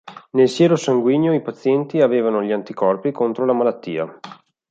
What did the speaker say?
Nel siero sanguigno i pazienti avevano gli anticorpi contro la malattia.